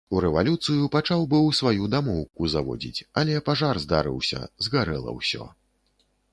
У рэвалюцыю пачаў быў сваю дамоўку заводзіць, але пажар здарыўся, згарэла ўсё.